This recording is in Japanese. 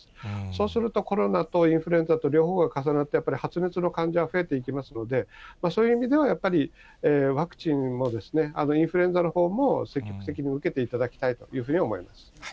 そうするとコロナとインフルエンザが両方が重なって、やっぱり発熱の患者が増えていきますので、そういう意味では、やっぱりワクチンのほうも、インフルエンザのほうも、積極的に受けていただきたいというふうに思います。